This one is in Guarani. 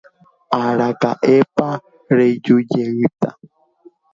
Araka'épa rejujeýta.